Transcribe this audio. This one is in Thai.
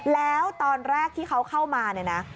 แล้วตอนแรกที่เขาเข้ามาเนี่ยนะ